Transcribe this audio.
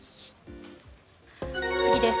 次です。